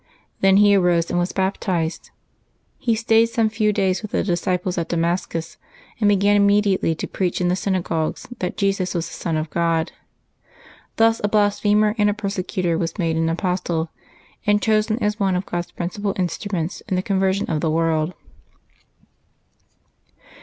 Then he arose and was baptized; he stayed some few days with the dis ciples at Damascus, and began immediately to preach in the sjrnagogues that Jesus was the Son of God. Thus a blasphemer and a persecutor was made an apostle, and chosen as one of God's principal instruments in the con version of the world.